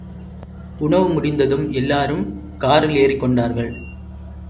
உணவு முடிந்ததும் எல்லாரும் காரில் ஏறிக்கொண்டார்கள்.